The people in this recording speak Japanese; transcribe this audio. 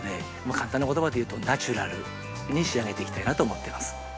簡単な言葉でいうとナチュラルに仕上げていきたいなと思ってます。